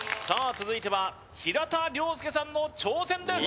続いては平田良介さんの挑戦です